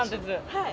はい。